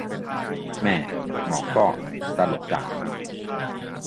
แหม่ หมอก็ ตลกจัง